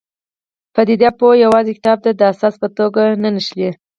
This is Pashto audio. پدیده پوه یوازې کتاب ته د اساس په توګه نه نښلي.